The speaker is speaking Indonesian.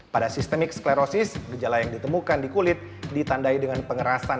pada sistemik sclerosis gejala yang ditemukan di kulit ditandai dengan pengerasan